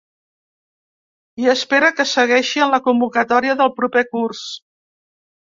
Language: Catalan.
I espera que segueixi en la convocatòria pel proper curs.